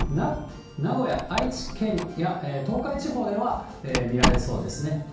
名古屋・愛知県や東海地方では見られそうですね。